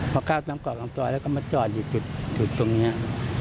พอข้าวตามกรอกตามจอยแล้วก็มาจอดอยู่ตรงเนี้ย